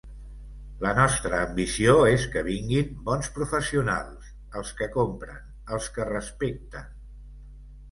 La nostra ambició és que vinguin bons professionals, els que compren, els que respecten.